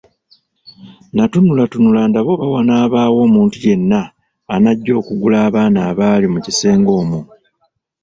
Natunula tunula ndabe oba wanaabaawo omuntu yenna anajja okugula abaana abaali mu kisenge omwo.